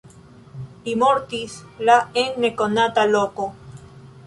Li mortis la en nekonata loko.